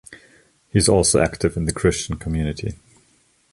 He is also active in The Christian Community.